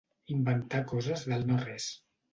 Inventar coses del no-res.